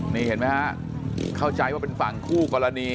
นี่เห็นไหมฮะเข้าใจว่าเป็นฝั่งคู่กรณี